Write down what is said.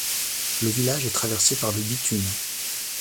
Le village est traversé par le bitume.